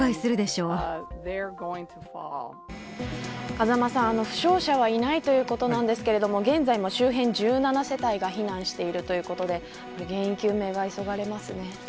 風間さん、負傷者はいないということなんですが現在も周辺１７世帯が避難しているということで原因究明が急がれますね。